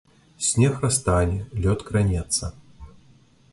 Снег растане, лёд кранецца.